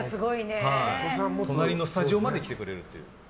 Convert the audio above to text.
その辺のスタジオまで来てくれるっていう。